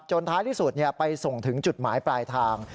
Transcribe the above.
ท้ายที่สุดไปส่งถึงจุดหมายปลายทาง